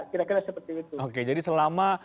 kira kira seperti itu oke jadi selama